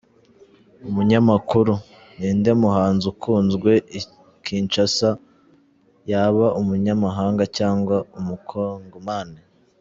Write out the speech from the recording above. Umunyamakuru: Ninde muhanzi ukunzwe i Kinshasa yaba umunyamahanga cyangwa umukongomani?.